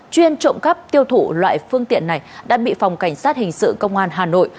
chuyên trộm cắp tiêu thụ loại phương tiện này đã bị phòng cảnh sát hình sự công an hà nội